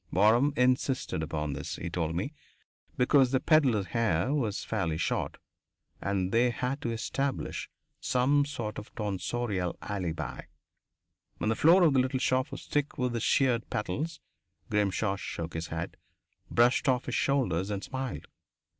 Waram insisted upon this, he told me, because the pedlar's hair was fairly short and they had to establish some sort of a tonsorial alibi. When the floor of the little shop was thick with the sheared "petals," Grimshaw shook his head, brushed off his shoulders, and smiled.